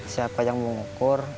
siapa yang mau ngukur